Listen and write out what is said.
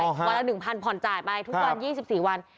วันละหนึ่งพันธุ์ผ่อนจ่ายไปทุกวันยี่สิบสี่วัน